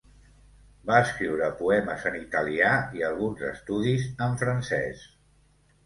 Va escriure poemes en italià i alguns estudis en francès.